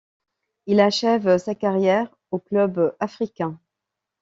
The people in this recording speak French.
Il achève sa carrière au Club africain.